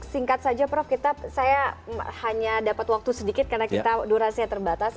singkat saja prof saya hanya dapat waktu sedikit karena kita durasinya terbatas